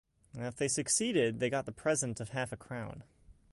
If they succeeded, they got the present of half a crown.